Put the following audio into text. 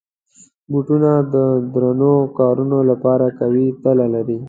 بوټونه د درنو کارونو لپاره قوي تله لري.